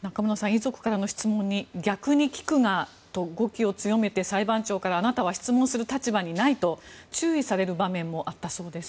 遺族からの質問に逆に聞くがと語気を強めて、裁判長からあなたは質問する立場にないと注意される場面もあったということです。